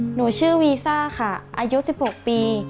หนูชื่อวีซ่าค่ะอายุ๑๖ปี